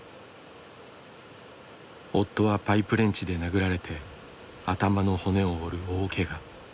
夫はパイプレンチで殴られて頭の骨を折る大けが。